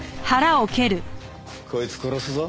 こいつ殺すぞ。